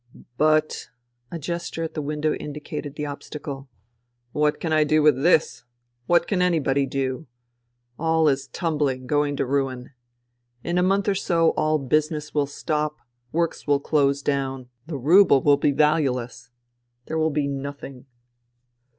"" But ——" A gesture at the window indicated the obstacle. " What can I do with this ? What can anybody do ? All is tumbling, going to ruin. In a month or so all business will stop, works will close down. The rouble will be valueless. There will be nothing